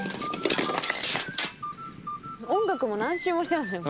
音楽も何周もしてますね。